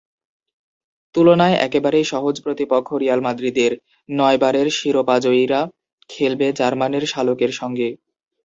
তুলনায় একেবারেই সহজ প্রতিপক্ষ রিয়াল মাদ্রিদের, নয়বারের শিরোপাজয়ীরা খেলবে জার্মানির শালকের সঙ্গে।